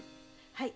はい。